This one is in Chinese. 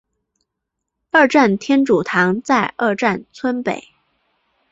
二站天主堂在二站村北。